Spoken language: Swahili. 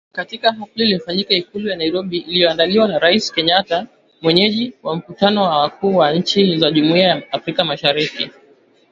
Katika hafla iliyofanyika Ikulu ya Nairobi iliyoandaliwa na Rais Kenyatta mwenyeji wa mkutano wa wakuu wa nchi za Jumuiya ya Afrika Mashariki.